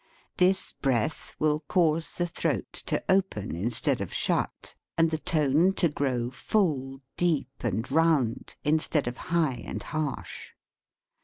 This breath will cause the throat to open instead of shut, and the tone to grow full, deep, and round, in , stead of high and harsh.